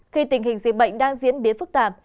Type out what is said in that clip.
khi tình hình dịch bệnh đang diễn biến phức tạp